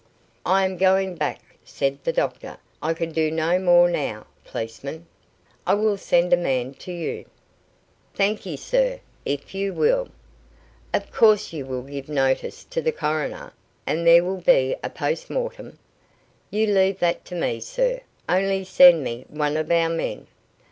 "I am going back," said the doctor. "I can do no more now, policeman. I will send a man to you." "Thankye, sir, if you will." "Of course you will give notice to the coroner, and there will be a post mortem?" "You leave that to me, sir; only send me one of our men."